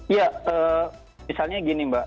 ya misalnya gini mbak